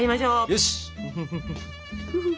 よし。